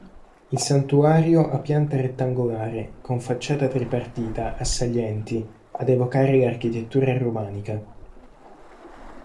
Il santuario ha pianta rettangolare, con facciata tripartita, a salienti, ad evocare l'architettura romanica.